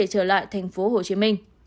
trường sẽ trở lại thành phố hồ chí minh